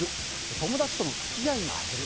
友達との付き合いが減る。